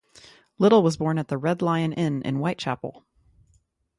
Little was born at the Red Lion Inn in Whitechapel.